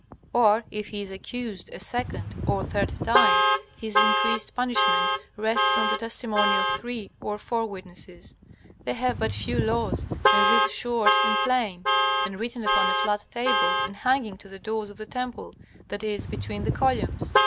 Or if he is accused a second or third time, his increased punishment rests on the testimony of three or two witnesses. They have but few laws, and these short and plain, and written upon a flat table and hanging to the doors of the temple, that is between the columns.